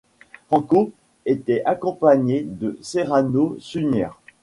Franco était accompagné de Serrano Suñer.